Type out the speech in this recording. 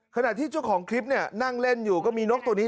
ขณะที่เจ้าของคลิปเนี่ยนั่งเล่นอยู่ก็มีนกตัวนี้